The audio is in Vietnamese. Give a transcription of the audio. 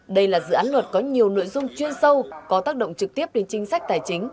đây là dự án luật có nhiều nội dung chuyên sâu có tác động trực tiếp đến chính sách tài chính